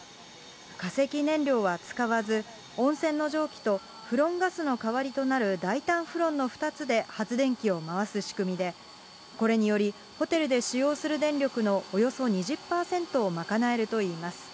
化石燃料は使わず、温泉の蒸気とフロンガスの代わりとなる代替フロンの２つで発電機を回す仕組みで、これにより、ホテルで使用する電力のおよそ２０％を賄えるということです。